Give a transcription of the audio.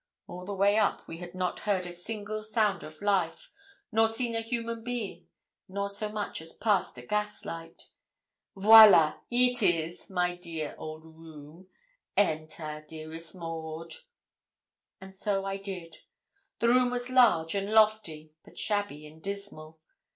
All the way up we had not heard a single sound of life, nor seen a human being, nor so much as passed a gaslight. 'Viola! here 'tis, my dear old room. Enter, dearest Maud.' And so I did. The room was large and lofty, but shabby and dismal.